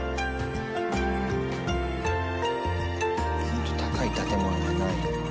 「本当高い建物がない」